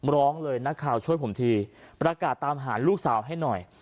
ร้องเลยนักข่าวช่วยผมทีประกาศตามหาลูกสาวให้หน่อย